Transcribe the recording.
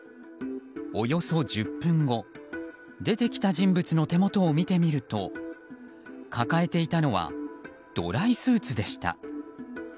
およそ１０分後出てきた人物の手元を見てみると抱えていたのはドライスーツでした。